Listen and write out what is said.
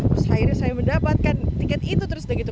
terus akhirnya saya mendapatkan tiket itu terus udah gitu